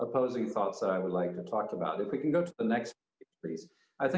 kami juga hidup di bab selanjutnya globalisasi